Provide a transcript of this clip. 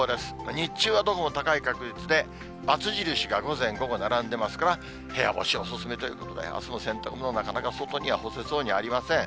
日中はどうも高い確率で、×印が午前午後並んでますから、部屋干しお勧めということで、あすの洗濯も、なかなか外に干せそうにありません。